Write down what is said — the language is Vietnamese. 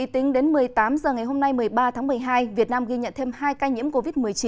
tính đến một mươi tám h ngày hôm nay việt nam ghi nhận thêm hai ca nhiễm covid một mươi chín